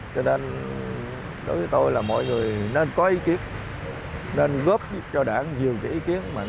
cho nên đối với tôi là mọi người nên có ý kiến nên góp cho đảng nhiều ý kiến